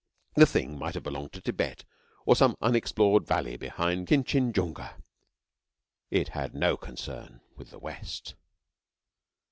The thing might have belonged to Tibet or some unexplored valley behind Kin chinjunga. It had no concern with the West.